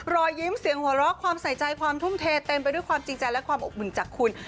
รอยยิ้มเสียงหัวเราะความใส่ใจความทุ่มเทเต็มไปด้วยความจริงใจและความอบอุ่นจากคุณ